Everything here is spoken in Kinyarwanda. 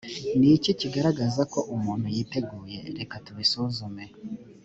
ni iki kigaragaza ko umuntu yiteguye reka tubisuzume